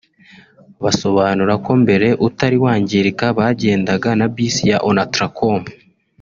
Basobanura ko mbere utari wangirika bagendaga na Bus ya Onatracom